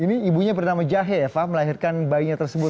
ini ibunya bernama jahe ya pak melahirkan bayinya tersebut